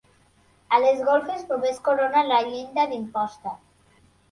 A les golfes només corona la llinda d'imposta.